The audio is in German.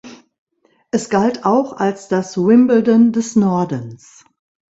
Es galt auch als das Wimbledon des Nordens.